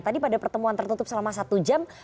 tadi pada pertemuan tertutup selama satu jam